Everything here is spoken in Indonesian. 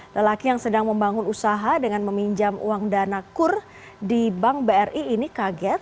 lelaki yang sedang membangun usaha dengan meminjam uang dana kur di bank bri ini kaget